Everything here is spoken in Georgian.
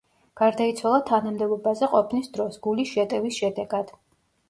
გარდაიცვალა თანამდებობაზე ყოფნის დროს, გულის შეტევის შედეგად.